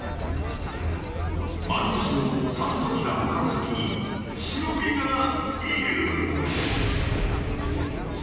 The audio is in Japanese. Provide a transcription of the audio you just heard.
［丸腰の里崎が向かう先に忍がいる］